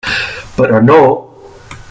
Però no!